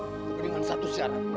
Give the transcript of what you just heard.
kecuali dengan satu syarat